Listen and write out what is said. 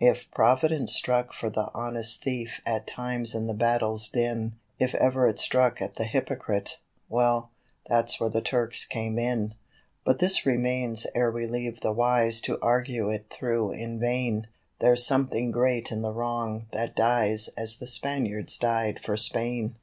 If Providence struck for the honest thief at times in the battle's din If ever it struck at the hypocrite well, that's where the Turks came in; But this remains ere we leave the wise to argue it through in vain There's something great in the wrong that dies as the Spaniards die for Spain.